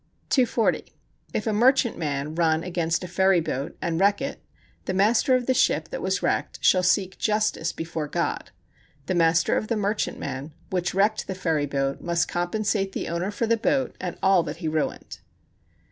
240. If a merchantman run against a ferryboat, and wreck it, the master of the ship that was wrecked shall seek justice before God; the master of the merchantman, which wrecked the ferryboat, must compensate the owner for the boat and all that he ruined.